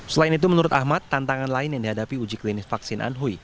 selain itu menurut ahmad tantangan lain yang dihadapi uji klinis vaksin anhui